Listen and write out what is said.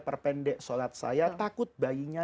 perpendek sholat saya takut bayinya